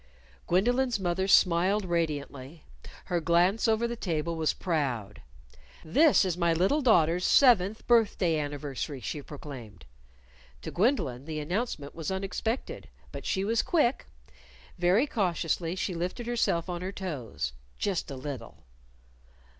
Gwendolyn's mother smiled radiantly. Her glance over the table was proud. "This is my little daughter's seventh birthday anniversary," she proclaimed. To Gwendolyn the announcement was unexpected. But she was quick. Very cautiously she lifted herself on her toes just a little.